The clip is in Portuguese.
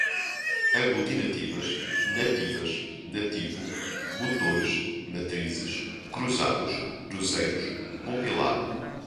aglutinativas, nativas, nativo, motores, matrizes, cruzados, cruzeiros, compilado